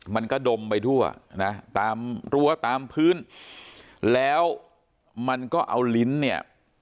มันก็ดมไปทั่วนะตามรั้วตามพื้นแล้วมันก็เอาลิ้นเนี่ย